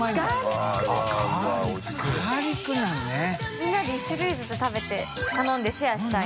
みんなで１種類ずつ頼んでシェアしたい。